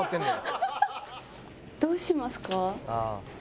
どうしますか？